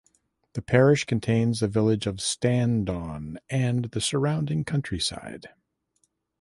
The parish contains the village of Standon and the surrounding countryside.